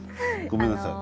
ごめんなさい。